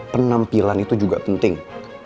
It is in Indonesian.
penampilan itu juga penting